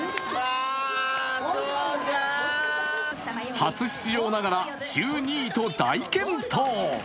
初出場ながら１２位と大健闘。